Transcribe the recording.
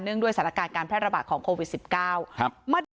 เนื่องด้วยสถานการณ์การแพทย์ระบาดของโควิด๑๙